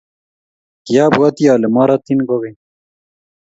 kiabwatii ale marotin kokeny